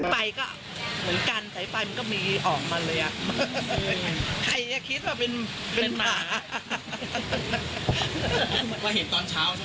ไปก็เหมือนกันแต่ไปมันก็มีออกมาเลยอ่ะใครจะคิดว่าเป็นเป็นหมา